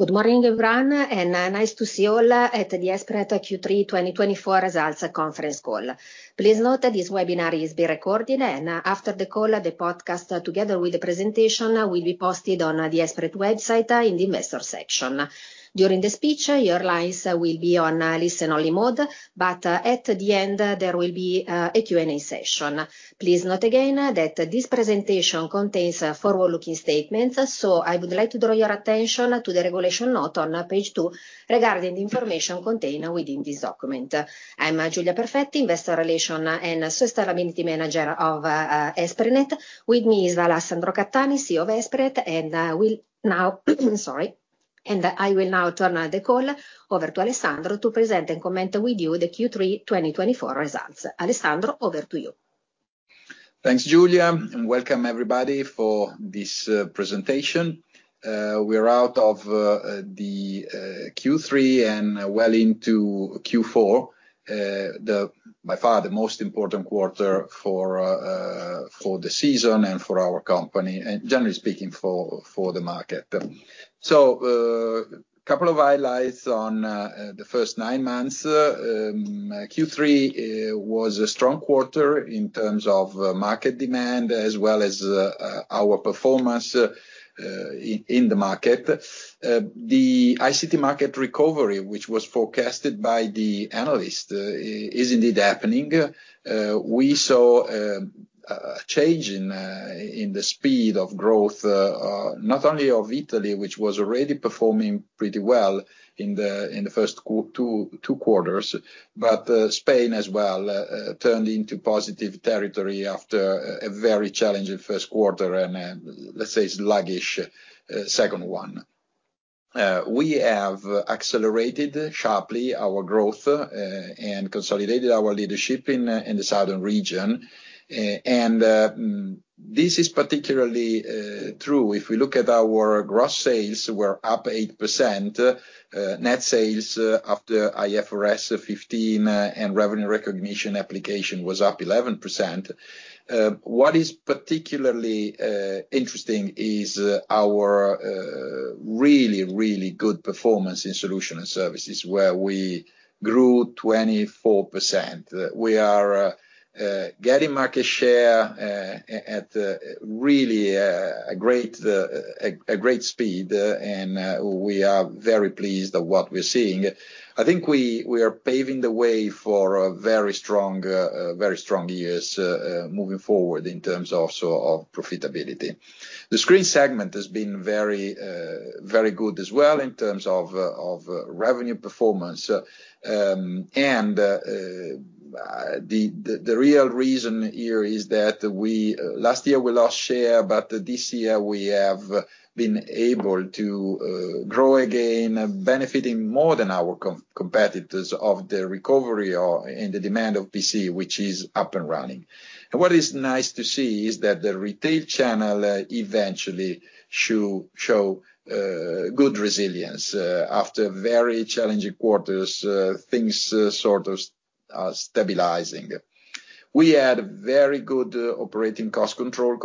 Good morning, everyone. Nice to see all at the Esprinet Q3 2024 Results Conference call. Please note that this webinar is being recorded, and after the call, the podcast, together with the presentation, will be posted on the Esprinet website in the investor section. During the speech, your lines will be on listen-only mode, but at the end, there will be a Q&A session. Please note again that this presentation contains forward-looking statements, so I would like to draw your attention to the regulation note on page two regarding the information contained within this document. I'm Giulia Perfetti, Investor Relations and Sustainability Manager of Esprinet. With me is Alessandro Cattani, CEO of Esprinet, and I will now turn the call over to Alessandro to present and comment with you the Q3 2024 results. Alessandro, over to you. Thanks, Giulia, and welcome everybody for this presentation. We are out of the Q3 and well into Q4, by far the most important quarter for the season and for our company, and generally speaking, for the market. So, a couple of highlights on the first nine months. Q3 was a strong quarter in terms of market demand, as well as our performance in the market. The ICT market recovery, which was forecasted by the analysts, is indeed happening. We saw a change in the speed of growth, not only of Italy, which was already performing pretty well in the first two quarters, but Spain as well turned into positive territory after a very challenging first quarter and, let's say, sluggish second one. We have accelerated sharply our growth and consolidated our leadership in the southern region. This is particularly true if we look at our gross sales, which were up 8%. Net sales after IFRS 15 and revenue recognition application was up 11%. What is particularly interesting is our really, really good performance in Solutions and Services, where we grew 24%. We are getting market share at really a great speed, and we are very pleased at what we're seeing. I think we are paving the way for very strong, very strong years moving forward in terms also of profitability. The screen segment has been very, very good as well in terms of revenue performance. The real reason here is that last year we lost share, but this year we have been able to grow again, benefiting more than our competitors of the recovery and the demand of PC, which is up and running. And what is nice to see is that the retail channel eventually showed good resilience after very challenging quarters, things sort of stabilizing. We had very good operating cost control,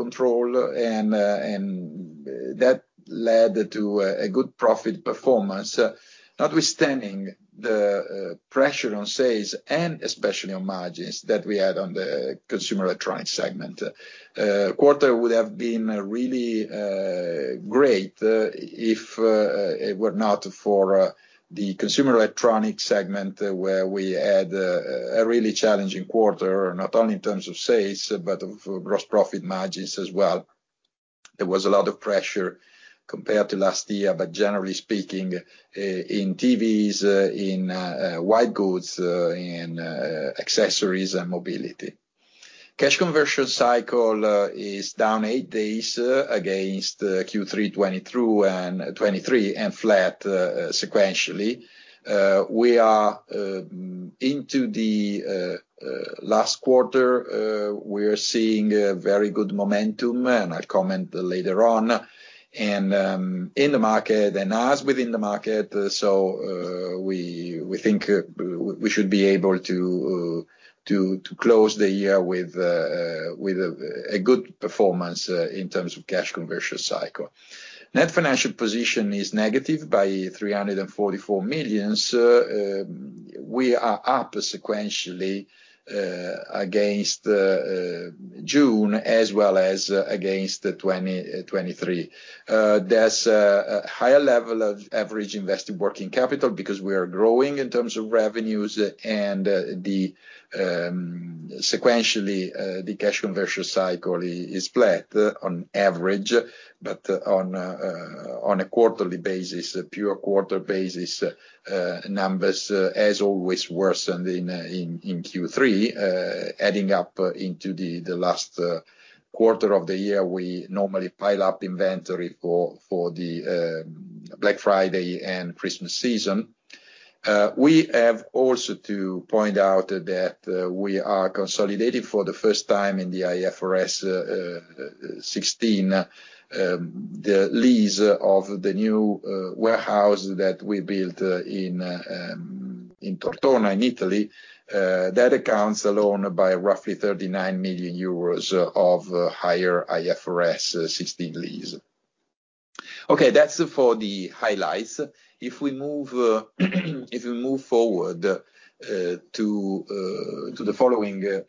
and that led to a good profit performance, notwithstanding the pressure on sales and especially on margins that we had on the consumer electronics segment. The quarter would have been really great if it were not for the consumer electronics segment, where we had a really challenging quarter, not only in terms of sales, but of gross profit margins as well. There was a lot of pressure compared to last year, but generally speaking, in TVs, in white goods, in accessories, and mobility. Cash conversion cycle is down eight days against Q3 2023 and flat sequentially. We are into the last quarter. We are seeing very good momentum, and I'll comment later on, and in the market and us within the market. So we think we should be able to close the year with a good performance in terms of cash conversion cycle. Net Financial Position is negative by 344 million. We are up sequentially against June as well as against 2023. There's a higher level of average invested working capital because we are growing in terms of revenues, and sequentially, the cash conversion cycle is flat on average, but on a quarterly basis, pure quarter basis numbers, as always, worsened in Q3, adding up into the last quarter of the year. We normally pile up inventory for the Black Friday and Christmas season. We have also to point out that we are consolidating for the first time in the IFRS 16, the lease of the new warehouse that we built in Tortona, in Italy. That accounts alone by roughly 39 million euros of higher IFRS 16 lease. Okay, that's for the highlights. If we move forward to the following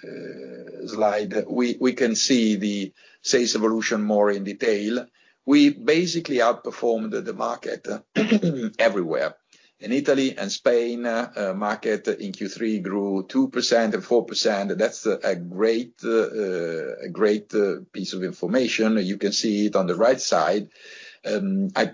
slide, we can see the sales evolution more in detail. We basically outperformed the market everywhere. In Italy and Spain, the market in Q3 grew 2% and 4%. That's a great piece of information. You can see it on the right side. I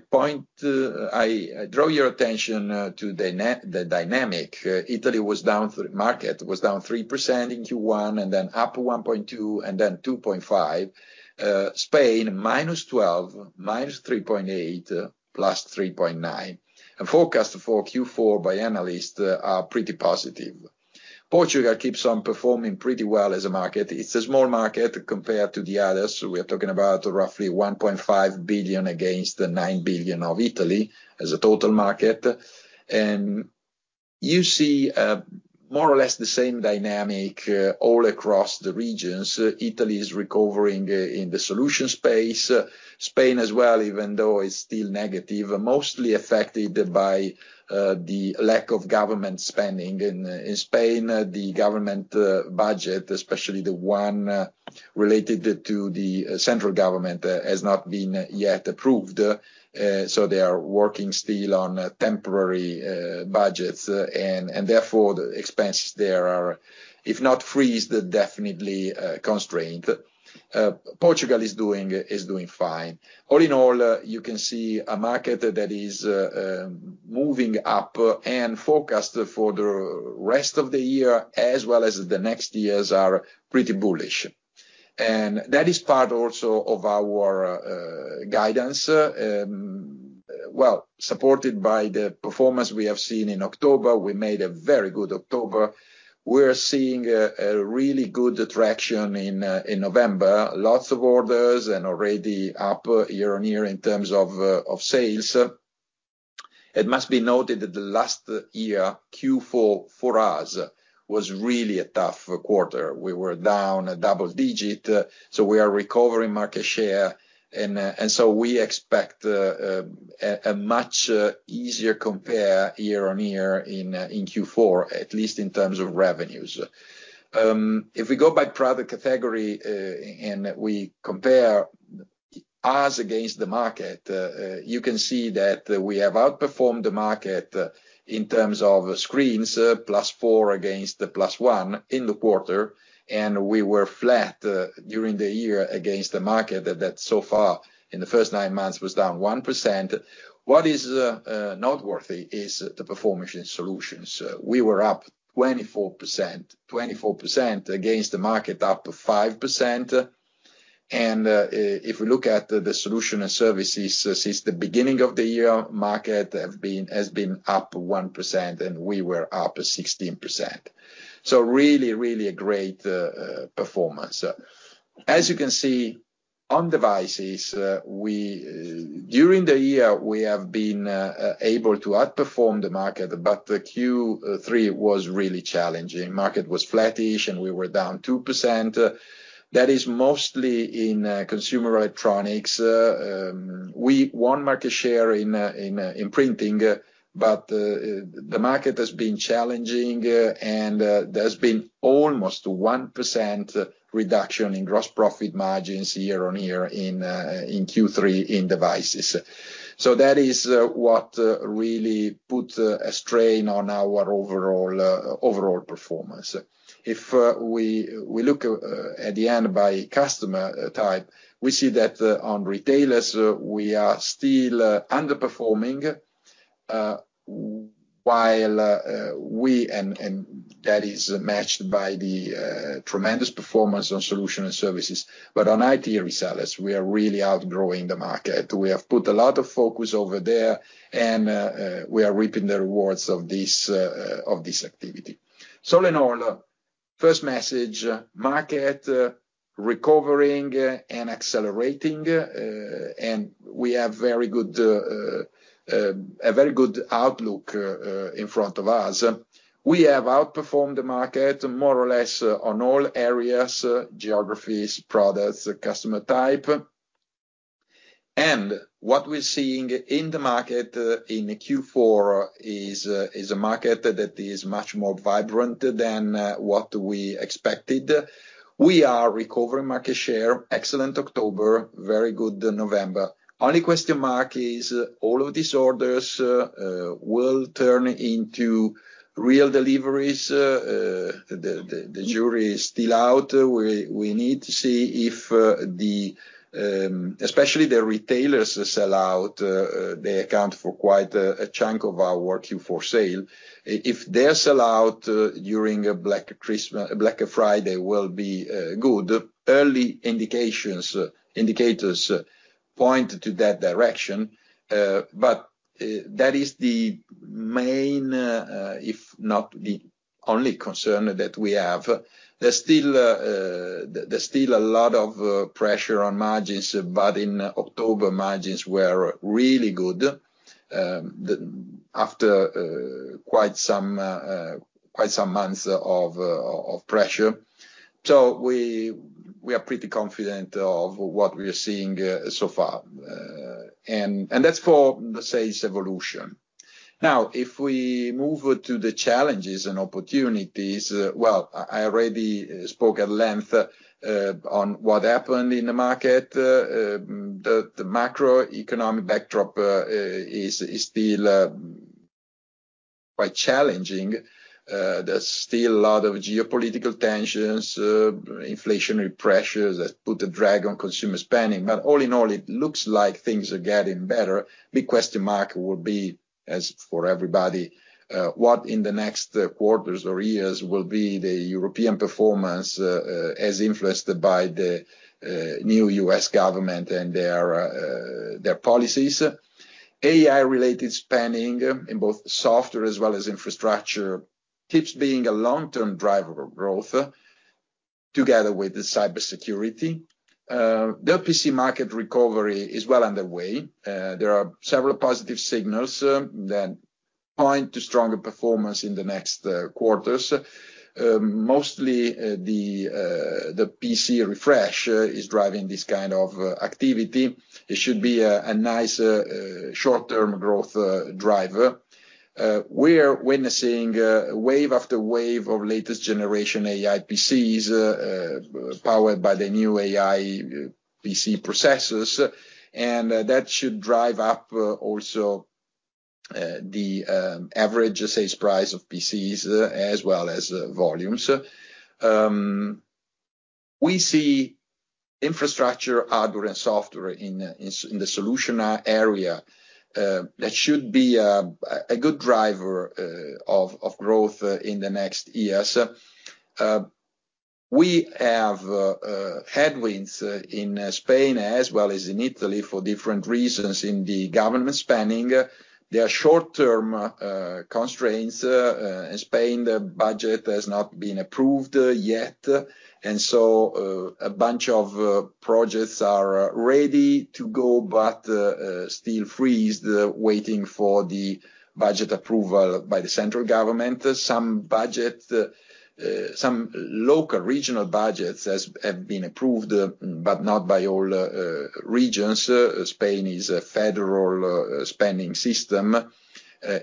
draw your attention to the dynamic. Italy was down, the market was down 3% in Q1 and then up 1.2% and then 2.5%. Spain, -12%, -3.8%, +3.9%. And forecasts for Q4 by analysts are pretty positive. Portugal keeps on performing pretty well as a market. It's a small market compared to the others. We are talking about roughly 1.5 billion against 9 billion of Italy as a total market, and you see more or less the same dynamic all across the regions. Italy is recovering in the Solutions space. Spain as well, even though it's still negative, mostly affected by the lack of government spending. In Spain, the government budget, especially the one related to the central government, has not been yet approved. So they are working still on temporary budgets, and therefore the expenses there are, if not frozen, definitely constrained. Portugal is doing fine. All in all, you can see a market that is moving up, and forecasts for the rest of the year, as well as the next years, are pretty bullish, and that is part also of our guidance. Supported by the performance we have seen in October, we made a very good October. We're seeing a really good traction in November, lots of orders, and already up year-on-year in terms of sales. It must be noted that the last year, Q4 for us, was really a tough quarter. We were down a double digit. We are recovering market share. We expect a much easier compare year-on-year in Q4, at least in terms of revenues. If we go by product category and we compare us against the market, you can see that we have outperformed the market in terms of Screens, +4% against +1% in the quarter. We were flat during the year against the market that so far in the first nine months was down 1%. What is noteworthy is the performance in Solutions. We were up 24%, 24% against the market, up 5%. And if we look at the Solutions and Services since the beginning of the year, the market has been up 1%, and we were up 16%. So really, really a great performance. As you can see on Devices, during the year, we have been able to outperform the market, but Q3 was really challenging. The market was flattish, and we were down 2%. That is mostly in consumer electronics. We won market share in printing, but the market has been challenging, and there's been almost a 1% reduction in gross profit margins year-on-year in Q3 in Devices. So that is what really put a strain on our overall performance. If we look at the end by customer type, we see that on retailers, we are still underperforming, while we, and that is matched by the tremendous performance on Solutions and Services. But on IT resellers, we are really outgrowing the market. We have put a lot of focus over there, and we are reaping the rewards of this activity. So in all, first message, market recovering and accelerating, and we have a very good outlook in front of us. We have outperformed the market more or less on all areas, geographies, products, customer type. And what we're seeing in the market in Q4 is a market that is much more vibrant than what we expected. We are recovering market share, excellent October, very good November. Only question mark is all of these orders will turn into real deliveries. The jury is still out. We need to see if, especially the retailers that sell out, they account for quite a chunk of our Q4 sale. If they're sold out during Black Friday, it will be good. Early indicators point to that direction. But that is the main, if not the only concern that we have. There's still a lot of pressure on margins, but in October, margins were really good after quite some months of pressure. So we are pretty confident of what we are seeing so far. And that's for the sales evolution. Now, if we move to the challenges and opportunities, well, I already spoke at length on what happened in the market. The macroeconomic backdrop is still quite challenging. There's still a lot of geopolitical tensions, inflationary pressures that put a drag on consumer spending. But all in all, it looks like things are getting better. The big question mark will be, as for everybody, what in the next quarters or years will be the European performance as influenced by the new U.S. government and their policies. AI-related spending in both software as well as infrastructure keeps being a long-term driver of growth, together with the cybersecurity. The PC market recovery is well underway. There are several positive signals that point to stronger performance in the next quarters. Mostly, the PC refresh is driving this kind of activity. It should be a nice short-term growth driver. We're witnessing wave after wave of latest generation AI PCs powered by the new AI PC processors, and that should drive up also the average sales price of PCs as well as volumes. We see infrastructure, hardware, and software in the Solutions area that should be a good driver of growth in the next years. We have headwinds in Spain as well as in Italy for different reasons in the government spending. There are short-term constraints. In Spain, the budget has not been approved yet. And so a bunch of projects are ready to go but still frozen, waiting for the budget approval by the central government. Some local regional budgets have been approved, but not by all regions. Spain is a federal spending system.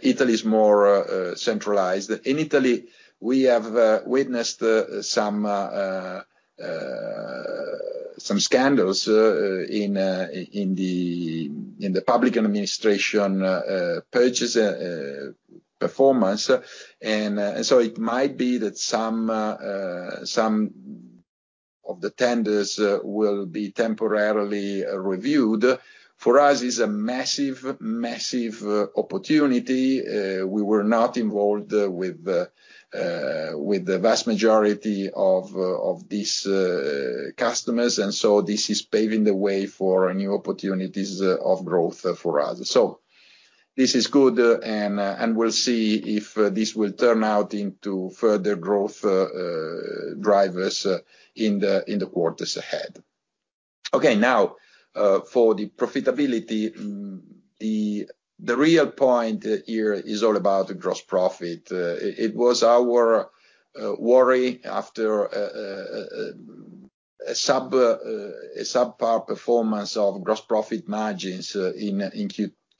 Italy is more centralized. In Italy, we have witnessed some scandals in the public administration purchase performance. And so it might be that some of the tenders will be temporarily reviewed. For us, it's a massive, massive opportunity. We were not involved with the vast majority of these customers. And so this is paving the way for new opportunities of growth for us. So this is good, and we'll see if this will turn out into further growth drivers in the quarters ahead. Okay, now, for the profitability, the real point here is all about gross profit. It was our worry after a subpar performance of gross profit margins in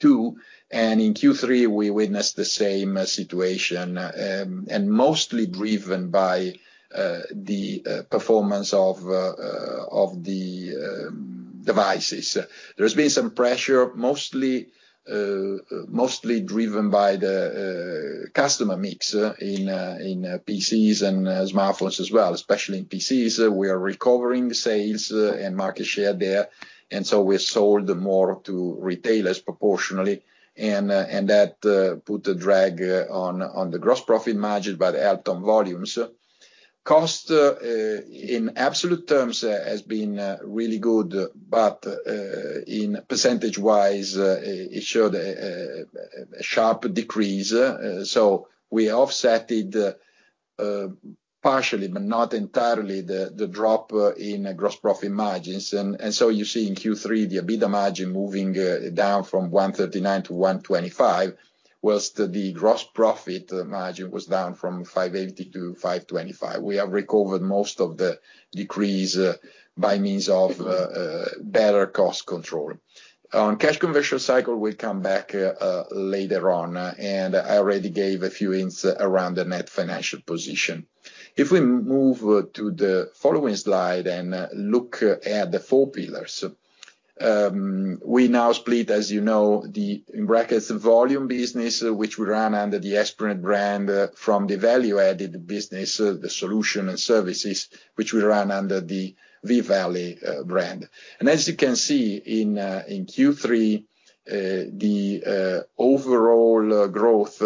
Q2. And in Q3, we witnessed the same situation, and mostly driven by the performance of the Devices. There has been some pressure, mostly driven by the customer mix in PCs and smartphones as well, especially in PCs. We are recovering sales and market share there. And so we've sold more to retailers proportionally. And that put a drag on the gross profit margin but helped on volumes. Cost, in absolute terms, has been really good, but percentage-wise, it showed a sharp decrease. So we offset it partially, but not entirely, the drop in gross profit margins. And so you see in Q3, the EBITDA margin moving down from 139-125, while the gross profit margin was down from 580-525. We have recovered most of the decrease by means of better cost control. On cash conversion cycle, we'll come back later on. And I already gave a few hints around the Net Financial Position. If we move to the following slide and look at the four pillars, we now split, as you know, the volume business, which we run under the Esprinet brand, from the value-added business, the Solutions and Services, which we run under the V-Valley brand. And as you can see in Q3, the overall growth,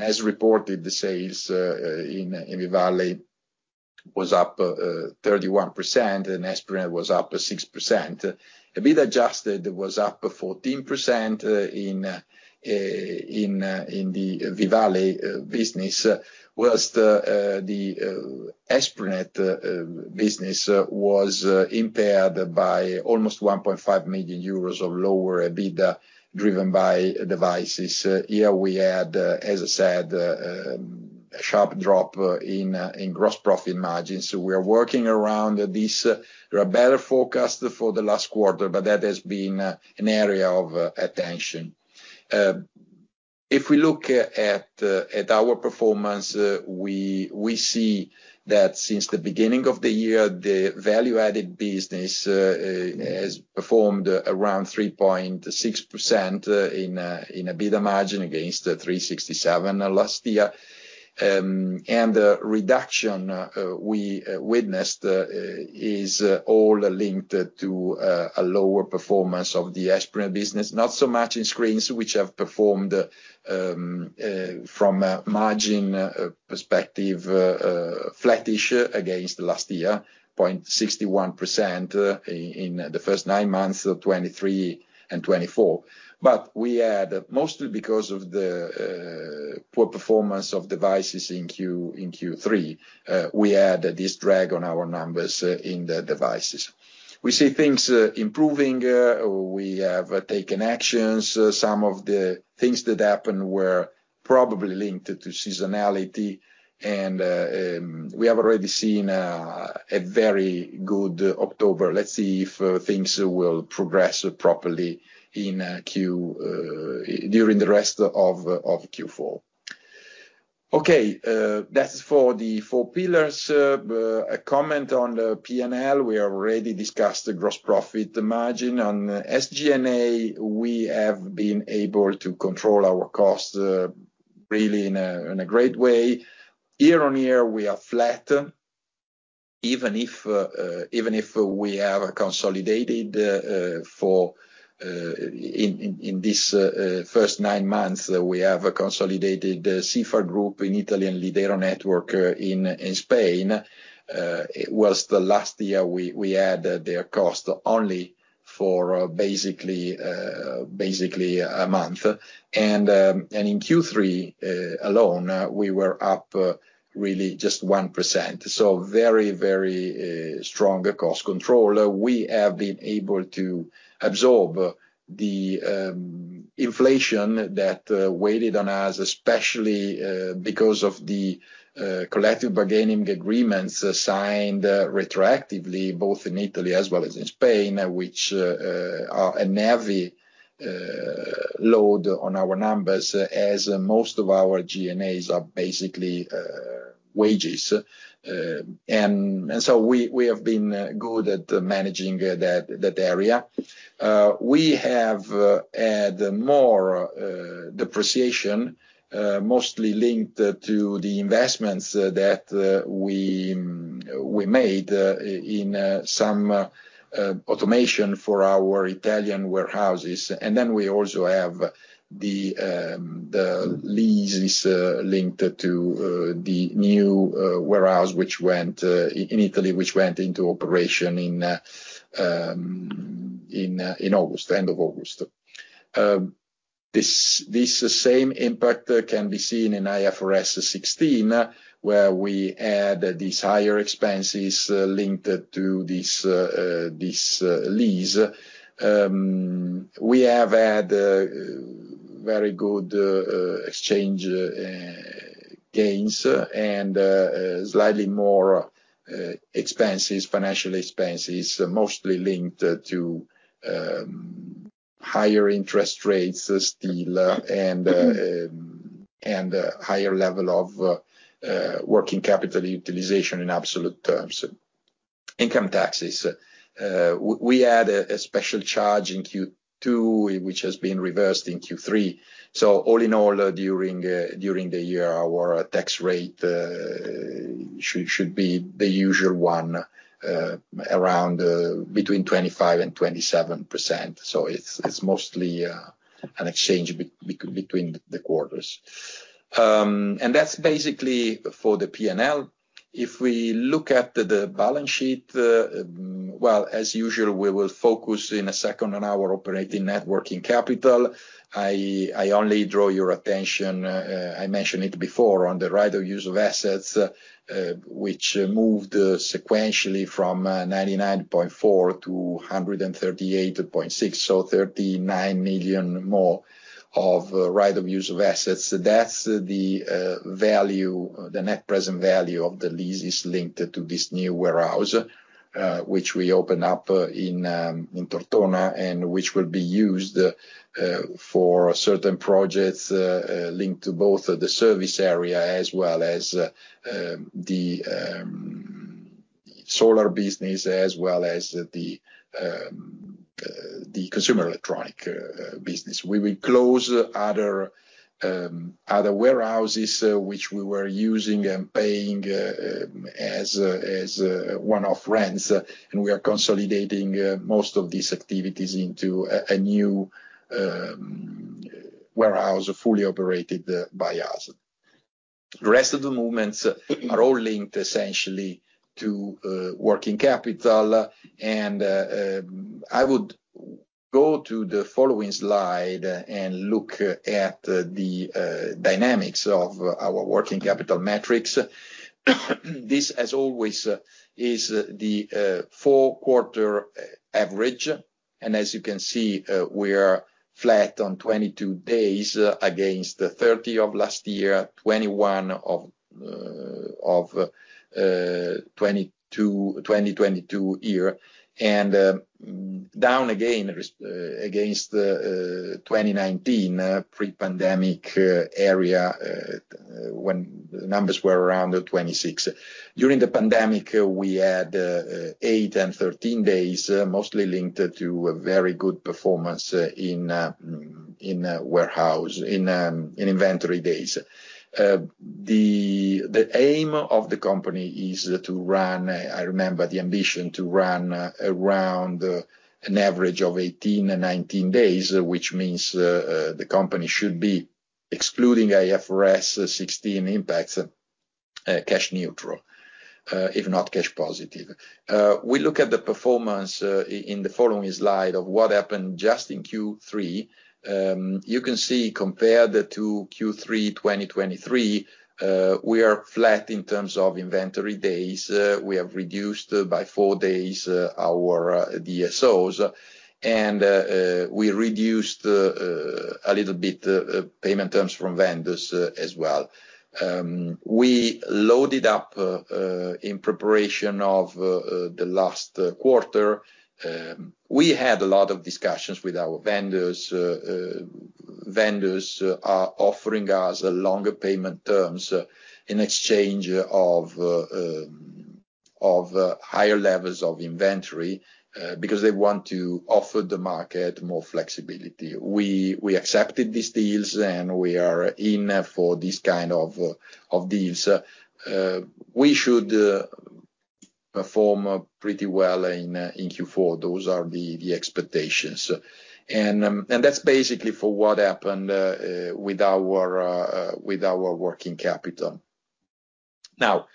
as reported, the sales in V-Valley was up 31%, and Esprinet was up 6%. EBITDA adjusted was up 14% in the V-Valley business, while the Esprinet business was impaired by almost 1.5 million euros of lower EBITDA driven by Devices. Here we had, as I said, a sharp drop in gross profit margins. So we are working around this. There are better forecasts for the last quarter, but that has been an area of attention. If we look at our performance, we see that since the beginning of the year, the value-added business has performed around 3.6% in EBITDA margin against 3.67% last year. And the reduction we witnessed is all linked to a lower performance of the Esprinet business, not so much in Screens, which have performed from a margin perspective flattish against last year, 0.61% in the first nine months of 2023 and 2024. But we add, mostly because of the poor performance of Devices in Q3, we add this drag on our numbers in the Devices. We see things improving. We have taken actions. Some of the things that happened were probably linked to seasonality, and we have already seen a very good October. Let's see if things will progress properly during the rest of Q4. Okay, that's for the four pillars. A comment on the P&L. We already discussed the gross profit margin. On SG&A, we have been able to control our costs really in a great way. year-on-year, we are flat. Even if we have consolidated in these first nine months, we have consolidated Sifar Group in Italy and Lidera Network in Spain, while last year we added their cost only for basically a month, and in Q3 alone, we were up really just 1%. So very, very strong cost control. We have been able to absorb the inflation that weighed on us, especially because of the collective bargaining agreements signed retroactively, both in Italy as well as in Spain, which are a heavy load on our numbers as most of our G&As are basically wages. And so we have been good at managing that area. We have had more depreciation, mostly linked to the investments that we made in some automation for our Italian warehouses. And then we also have the leases linked to the new warehouse, which went in Italy, which went into operation in August, end of August. This same impact can be seen in IFRS 16, where we add these higher expenses linked to this lease. We have had very good exchange gains and slightly more expenses, financial expenses, mostly linked to higher interest rates still and a higher level of working capital utilization in absolute terms. Income taxes. We had a special charge in Q2, which has been reversed in Q3. So all in all, during the year, our tax rate should be the usual one around between 25%-27%. So it's mostly an exchange between the quarters. And that's basically for the P&L. If we look at the balance sheet, well, as usual, we will focus in a second on our operating net working capital. I only draw your attention, I mentioned it before, on the right-of-use assets, which moved sequentially from 99.4 million-138.6 million, so 39 million more of right-of-use assets. That's the net present value of the leases linked to this new warehouse, which we opened up in Tortona and which will be used for certain projects linked to both the service area as well as the solar business as well as the consumer electronic business. We will close other warehouses which we were using and paying as one-off rents. And we are consolidating most of these activities into a new warehouse fully operated by us. The rest of the movements are all linked essentially to working capital. And I would go to the following slide and look at the dynamics of our working capital metrics. This, as always, is the four-quarter average. And as you can see, we are flat on 22 days against 30 days of last year, 21 days of 2022 year. And down again against 2019, pre-pandemic era when the numbers were around 26 days. During the pandemic, we had eight days and 13 days, mostly linked to a very good performance in warehouse, in inventory days. The aim of the company is to run. I remember the ambition to run around an average of 18 days, 19 days, which means the company should be, excluding IFRS 16 impacts, cash neutral, if not cash positive. We look at the performance in the following slide of what happened just in Q3. You can see compared to Q3 2023, we are flat in terms of inventory days. We have reduced by four days our DSOs, and we reduced a little bit payment terms from vendors as well. We loaded up in preparation of the last quarter. We had a lot of discussions with our vendors. Vendors are offering us longer payment terms in exchange of higher levels of inventory because they want to offer the market more flexibility. We accepted these deals, and we are in for these kinds of deals. We should perform pretty well in Q4. Those are the expectations. And that's basically for what happened with our working capital. Now,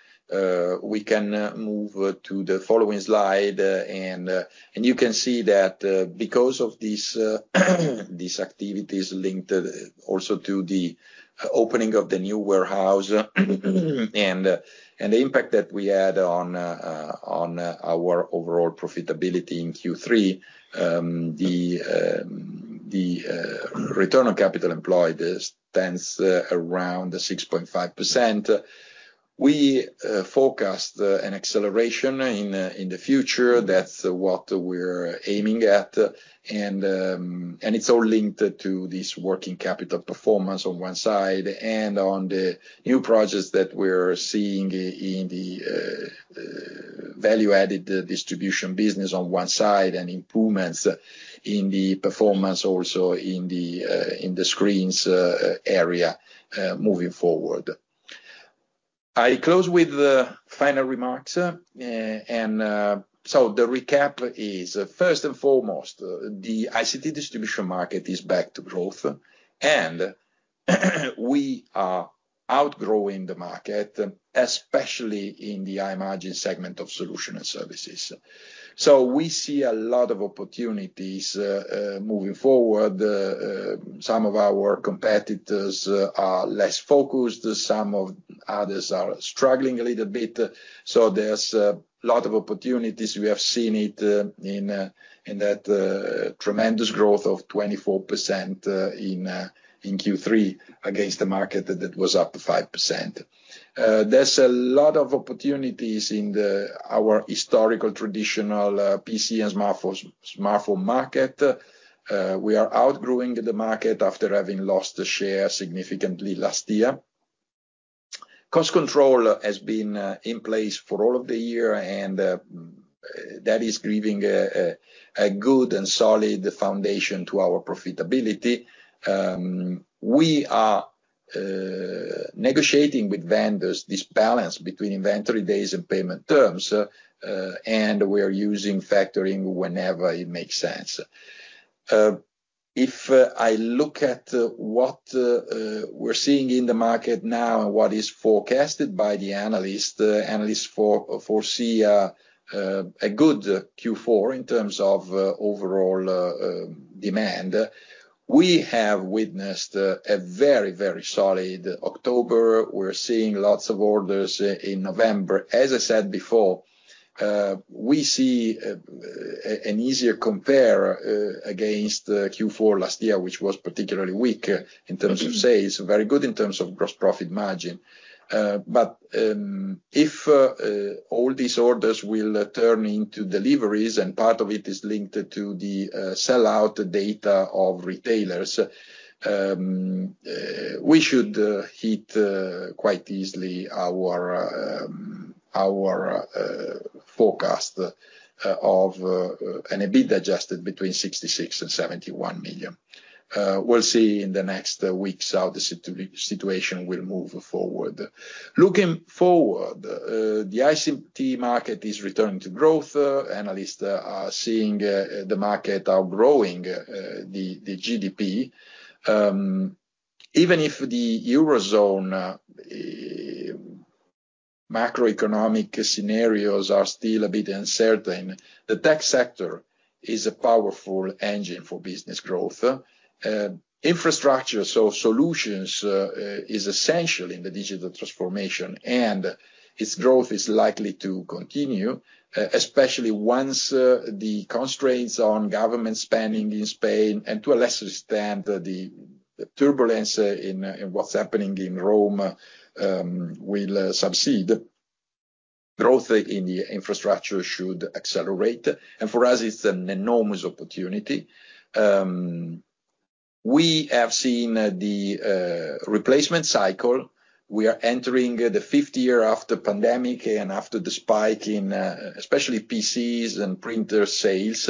we can move to the following slide. And you can see that because of these activities linked also to the opening of the new warehouse and the impact that we had on our overall profitability in Q3, the return on capital employed stands around 6.5%. We forecast an acceleration in the future. That's what we're aiming at. And it's all linked to this working capital performance on one side and on the new projects that we're seeing in the value-added distribution business on one side and improvements in the performance also in the Screens area moving forward. I close with final remarks. And so the recap is, first and foremost, the ICT distribution market is back to growth. And we are outgrowing the market, especially in the high margin segment of Solutions and Services. So we see a lot of opportunities moving forward. Some of our competitors are less focused. Some of others are struggling a little bit. So there's a lot of opportunities. We have seen it in that tremendous growth of 24% in Q3 against the market that was up 5%. There's a lot of opportunities in our historical traditional PC and smartphone market. We are outgrowing the market after having lost the share significantly last year. Cost control has been in place for all of the year, and that is giving a good and solid foundation to our profitability. We are negotiating with vendors this balance between inventory days and payment terms. We are using factoring whenever it makes sense. If I look at what we're seeing in the market now and what is forecasted by the analysts, analysts foresee a good Q4 in terms of overall demand. We have witnessed a very, very solid October. We're seeing lots of orders in November. As I said before, we see an easier compare against Q4 last year, which was particularly weak in terms of sales, very good in terms of gross profit margin. But if all these orders will turn into deliveries, and part of it is linked to the sellout data of retailers, we should hit quite easily our forecast of an EBITDA adjusted between 66 million and 71 million. We'll see in the next weeks how the situation will move forward. Looking forward, the ICT market is returning to growth. Analysts are seeing the market outgrowing the GDP. Even if the Eurozone macroeconomic scenarios are still a bit uncertain, the tech sector is a powerful engine for business growth. Infrastructure, so Solutions, is essential in the digital transformation, and its growth is likely to continue, especially once the constraints on government spending in Spain, and to a lesser extent, the turbulence in what's happening in Rome will subside. Growth in the infrastructure should accelerate, and for us, it's an enormous opportunity. We have seen the replacement cycle. We are entering the fifth year after pandemic and after the spike in especially PCs and printer sales,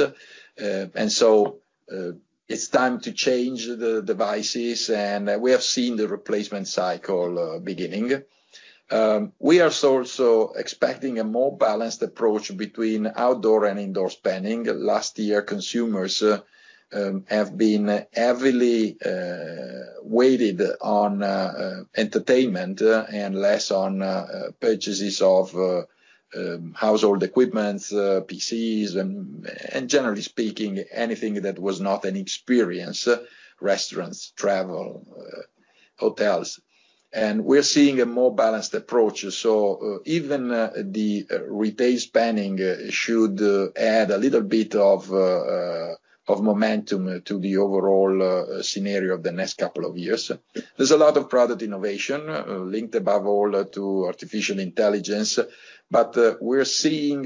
and so it's time to change the Devices, and we have seen the replacement cycle beginning. We are also expecting a more balanced approach between outdoor and indoor spending. Last year, consumers have been heavily weighted on entertainment and less on purchases of household equipment, PCs, and generally speaking, anything that was not an experience: restaurants, travel, hotels, and we're seeing a more balanced approach, so even the retail spending should add a little bit of momentum to the overall scenario of the next couple of years. There's a lot of product innovation linked above all to artificial intelligence, but we're seeing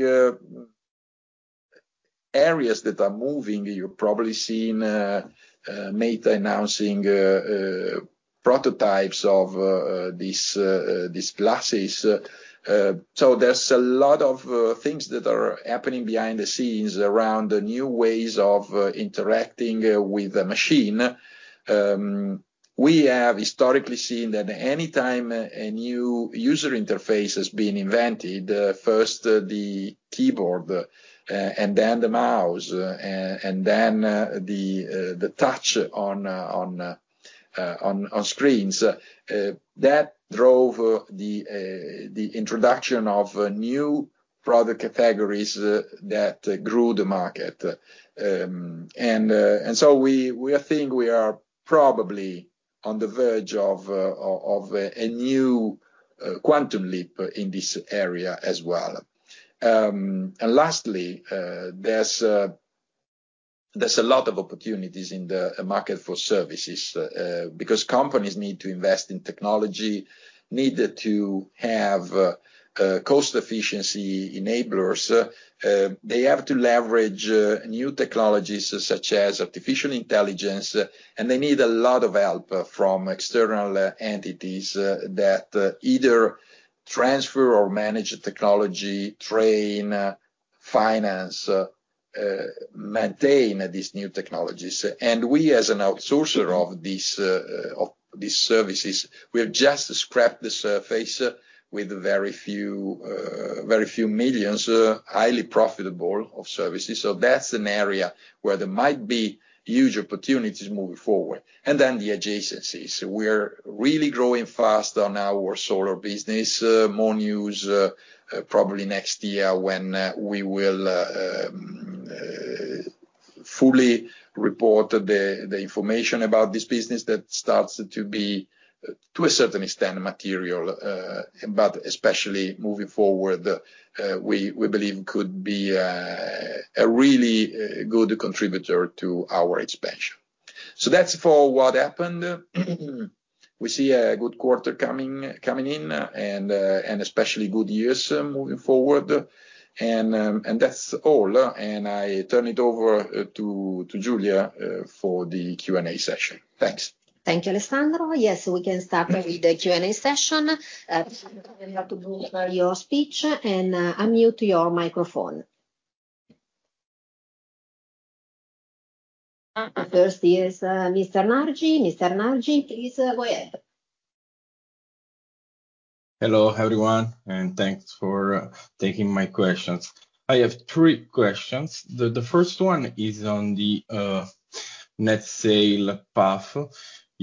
areas that are moving. You've probably seen Meta announcing prototypes of these glasses, so there's a lot of things that are happening behind the scenes around new ways of interacting with a machine. We have historically seen that anytime a new user interface has been invented, first the keyboard and then the mouse and then the touchscreen, that drove the introduction of new product categories that grew the market. And so we think we are probably on the verge of a new quantum leap in this area as well. And lastly, there's a lot of opportunities in the market for services because companies need to invest in technology, need to have cost efficiency enablers. They have to leverage new technologies such as artificial intelligence, and they need a lot of help from external entities that either transfer or manage technology, train, finance, maintain these new technologies. And we, as an outsourcer of these services, we have just scratched the surface with very few millions, highly profitable services. So that's an area where there might be huge opportunities moving forward. And then the adjacencies. We're really growing fast on our solar business. More news probably next year when we will fully report the information about this business that starts to be, to a certain extent, material. But especially moving forward, we believe could be a really good contributor to our expansion. So that's for what happened. We see a good quarter coming in and especially good years moving forward. And that's all. And I turn it over to Giulia for the Q&A session. Thanks. Thank you, Alessandro. Yes, we can start with the Q&A session. You have to book your speech and unmute your microphone. First is Mr. Nargi. Mr. Nargi, please go ahead. Hello, everyone. And thanks for taking my questions. I have three questions. The first one is on the net sales path.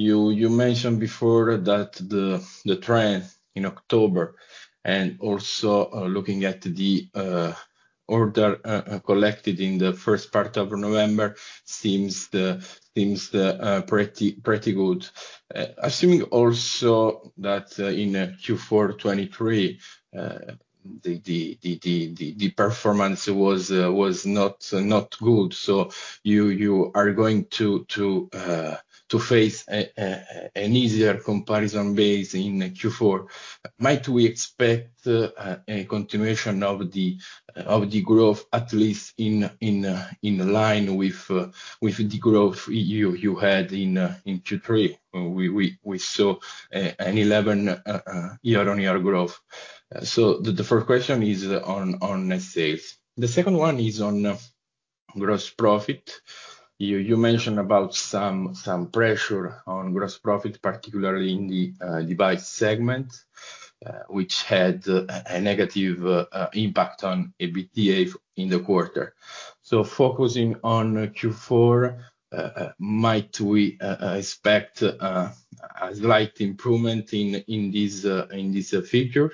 You mentioned before that the trend in October and also looking at the orders collected in the first part of November seems pretty good. Assuming also that in Q4 2023, the performance was not good. So you are going to face an easier comparison base in Q4. Might we expect a continuation of the growth, at least in line with the growth you had in Q3? We saw an 11% year-on-year growth. So the first question is on net sales. The second one is on gross profit. You mentioned about some pressure on gross profit, particularly in the device segment, which had a negative impact on EBITDA in the quarter. So focusing on Q4, might we expect a slight improvement in this figure?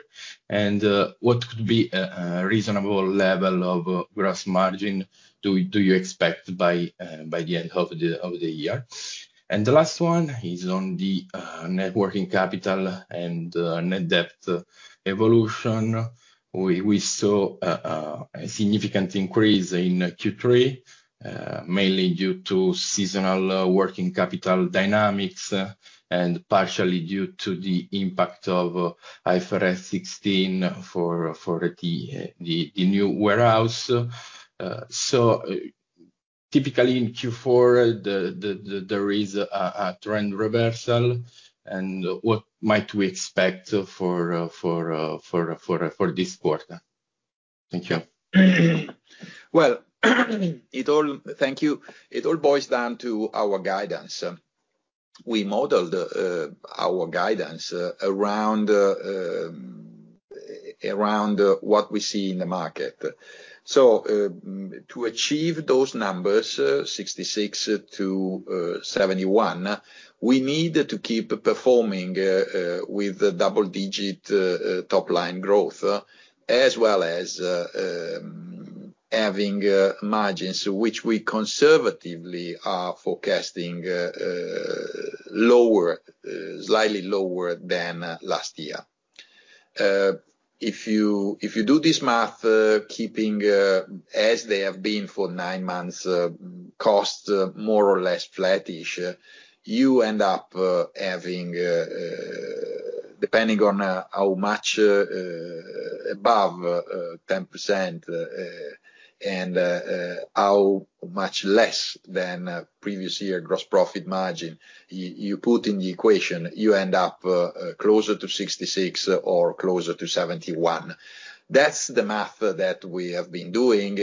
And what could be a reasonable level of gross margin do you expect by the end of the year? And the last one is on the net working capital and net debt evolution. We saw a significant increase in Q3, mainly due to seasonal working capital dynamics and partially due to the impact of IFRS 16 for the new warehouse. So typically in Q4, there is a trend reversal. What might we expect for this quarter? Thank you. Thank you. It all boils down to our guidance. We modeled our guidance around what we see in the market. To achieve those numbers, 66 million-71 million, we need to keep performing with double-digit top-line growth, as well as having margins which we conservatively are forecasting slightly lower than last year. If you do this math, keeping as they have been for nine months, costs more or less flattish, you end up having, depending on how much above 10% and how much less than previous year gross profit margin, you put in the equation, you end up closer to 66 million or closer to 71 million. That's the math that we have been doing,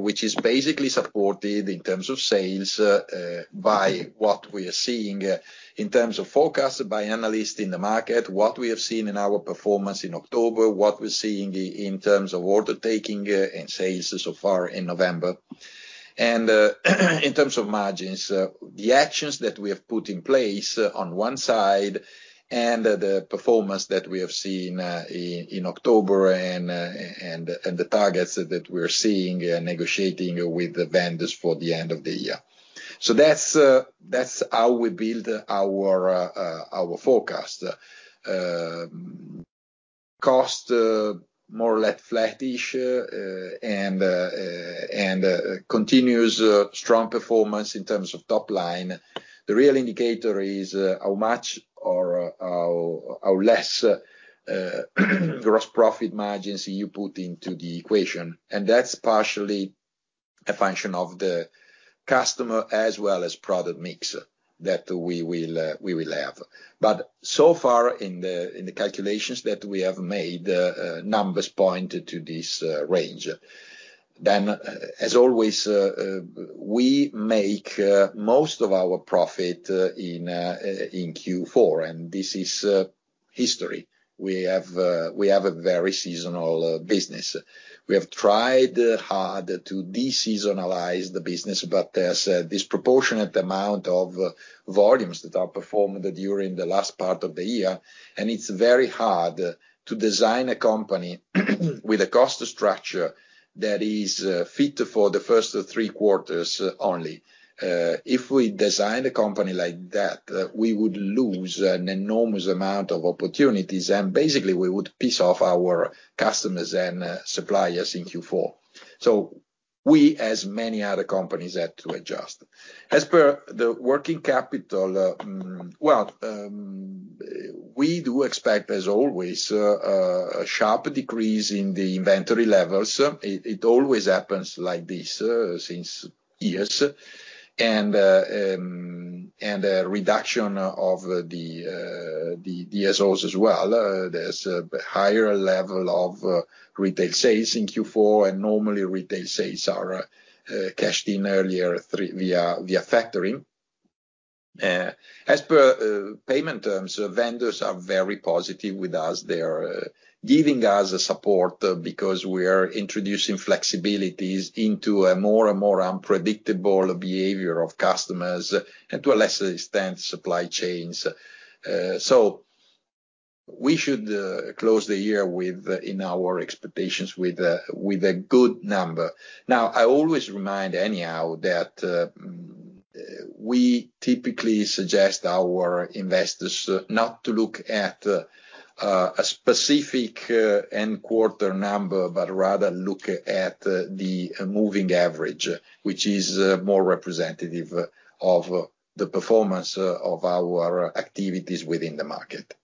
which is basically supported in terms of sales by what we are seeing in terms of forecast by analysts in the market, what we have seen in our performance in October, what we're seeing in terms of order taking and sales so far in November. And in terms of margins, the actions that we have put in place on one side and the performance that we have seen in October and the targets that we're seeing negotiating with the vendors for the end of the year. So that's how we build our forecast. Costs more or less flattish and continues strong performance in terms of top line. The real indicator is how much or how less gross profit margins you put into the equation. And that's partially a function of the customer as well as product mix that we will have. But so far in the calculations that we have made, numbers point to this range. Then, as always, we make most of our profit in Q4. And this is history. We have a very seasonal business. We have tried hard to de-seasonalize the business, but there's a disproportionate amount of volumes that are performed during the last part of the year. And it's very hard to design a company with a cost structure that is fit for the first three quarters only. If we design a company like that, we would lose an enormous amount of opportunities. And basically, we would piss off our customers and suppliers in Q4. So we, as many other companies, had to adjust. As per the working capital, well, we do expect, as always, a sharp decrease in the inventory levels. It always happens like this since years. And a reduction of the DSOs as well. There's a higher level of retail sales in Q4. And normally, retail sales are cashed in earlier via factoring. As per payment terms, vendors are very positive with us. They're giving us support because we are introducing flexibilities into a more and more unpredictable behavior of customers and to a lesser extent, supply chains. So we should close the year in our expectations with a good number. Now, I always remind anyhow that we typically suggest our investors not to look at a specific end quarter number, but rather look at the moving average, which is more representative of the performance of our activities within the market.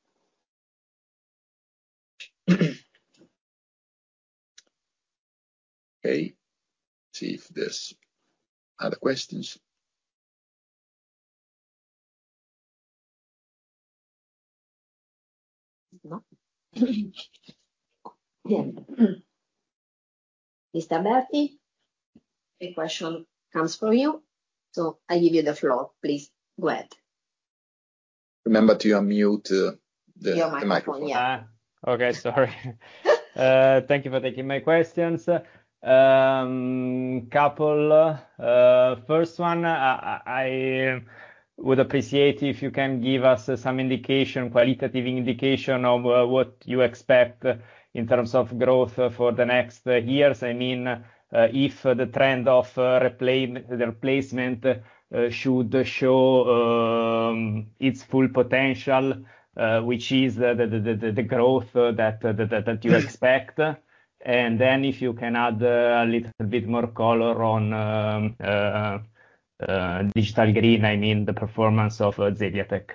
Okay. See if there's other questions. Mr. Berti, a question comes for you. So I give you the floor. Please go ahead. Remember to unmute the microphone. Okay. Sorry. Thank you for taking my questions. Couple. First one, I would appreciate if you can give us some indication, qualitative indication of what you expect in terms of growth for the next years. I mean, if the trend of replacement should show its full potential, which is the growth that you expect. And then if you can add a little bit more color on digital green, I mean, the performance of Zeliatech.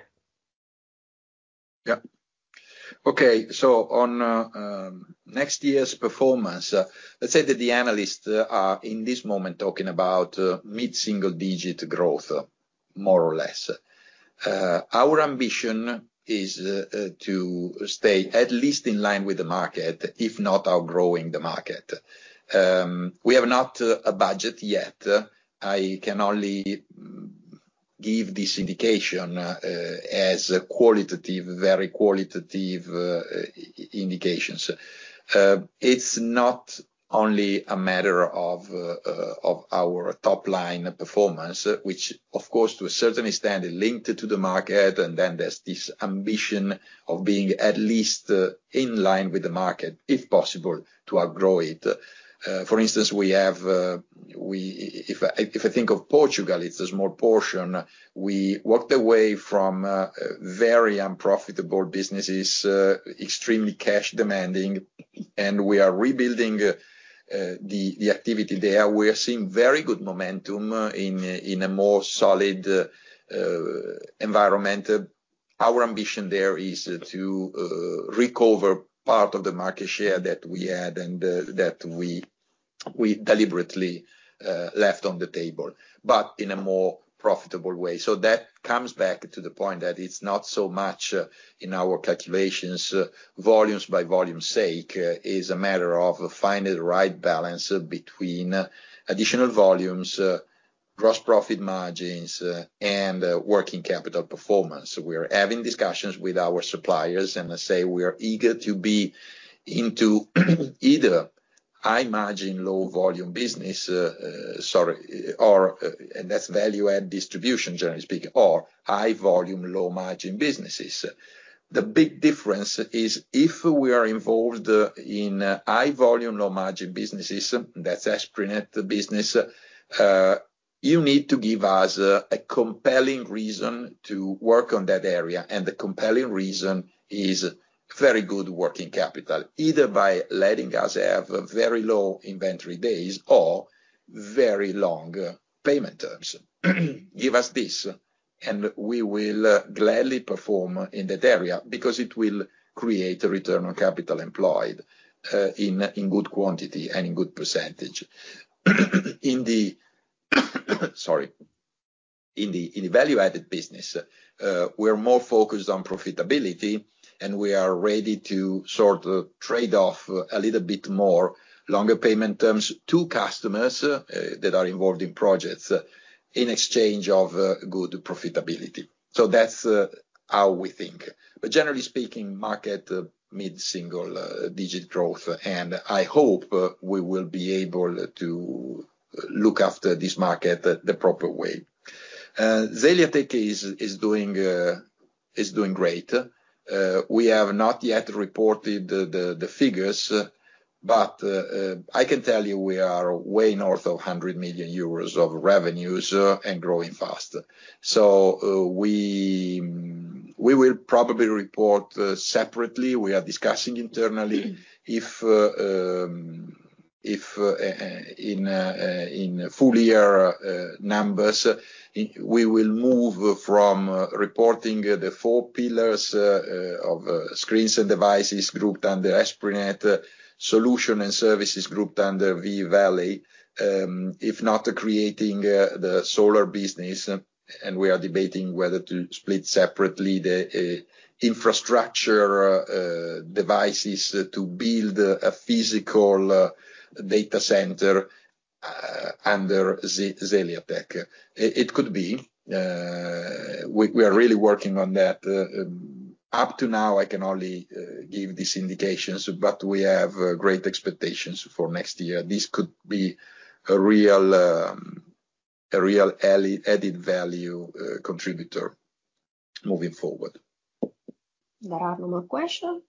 Yeah. Okay. So on next year's performance, let's say that the analysts are in this moment talking about mid-single-digit growth, more or less. Our ambition is to stay at least in line with the market, if not outgrowing the market. We have not a budget yet. I can only give this indication as qualitative, very qualitative indications. It's not only a matter of our top-line performance, which, of course, to a certain extent, is linked to the market. Then there's this ambition of being at least in line with the market, if possible, to outgrow it. For instance, if I think of Portugal, it's a small portion. We walked away from very unprofitable businesses, extremely cash-demanding. We are rebuilding the activity there. We are seeing very good momentum in a more solid environment. Our ambition there is to recover part of the market share that we had and that we deliberately left on the table, but in a more profitable way. That comes back to the point that it's not so much in our calculations volumes by volume's sake. It's a matter of finding the right balance between additional volumes, gross profit margins, and working capital performance. We are having discussions with our suppliers. And I say we are eager to be into either high-margin low-volume business. Sorry, and that's value-add distribution, generally speaking, or high-volume low-margin businesses. The big difference is if we are involved in high-volume low-margin businesses, that's Esprinet business. You need to give us a compelling reason to work on that area. And the compelling reason is very good working capital, either by letting us have very low inventory days or very long payment terms. Give us this, and we will gladly perform in that area because it will create a return on capital employed in good quantity and in good percentage. Sorry. In the value-added business, we are more focused on profitability, and we are ready to sort of trade off a little bit more longer payment terms to customers that are involved in projects in exchange of good profitability. So that's how we think. But generally speaking, market mid-single-digit growth, and I hope we will be able to look after this market the proper way. Zeliatech is doing great. We have not yet reported the figures, but I can tell you we are way north of 100 million euros of revenues and growing fast, so we will probably report separately. We are discussing internally if in full-year numbers, we will move from reporting the four pillars of Screens and Devices grouped under Esprinet, Solutions and Services grouped under V-Valley, if not creating the solar business, and we are debating whether to split separately the infrastructure Devices to build a physical data center under Zeliatech. It could be. We are really working on that. Up to now, I can only give these indications, but we have great expectations for next year. This could be a real added value contributor moving forward. There are no more questions?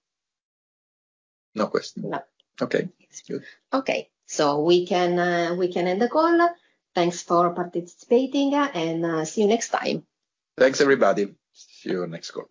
No questions. No. Okay. Good. Okay, so we can end the call. Thanks for participating, and see you next time. Thanks, everybody. See you next call.